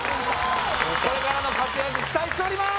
これからの活躍期待しております！